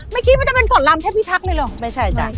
ไม่คิดว่าจะเป็นสอนรามเทพิทักษ์เลยเหรอไม่ใช่จ้ะ